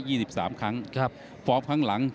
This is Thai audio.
ชกมาแล้ว๘๓ครั้งชนะ๖๐ครั้งแพ้๒๓ครั้ง